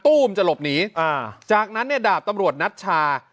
ตู้มจะหลบหนีอ่าจากนั้นเนี่ยดาบตำรวจนัชชา